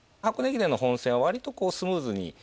箱根駅伝の本戦はわりとスムーズに。